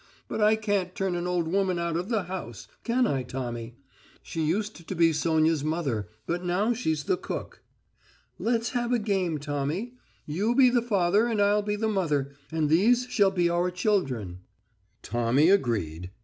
But I can't turn an old woman out of the house. Can I, Tommy? She used to be Sonya's mother, but now she's the cook. Let's have a game, Tommy; you be the father and I'll be the mother, and these shall be our children." Tommy agreed.